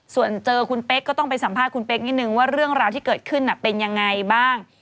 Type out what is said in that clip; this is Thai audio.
ส่วนเจอคุณเป๊กก็ต้องไปสัมภาษณ์คุณเป๊กนิดนึงว่าเรื่องราวที่เกิดขึ้นเป็นยังไงบ้าง